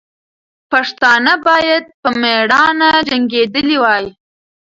پښتانه باید په میړانه جنګېدلي وای.